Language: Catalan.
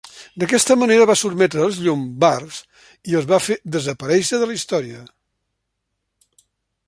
D'aquesta manera va sotmetre els llombards i els va fer desaparéixer de la Història.